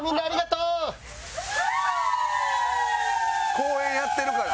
公演やってるから。